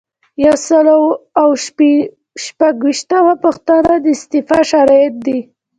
یو سل او شپږ ویشتمه پوښتنه د استعفا شرایط دي.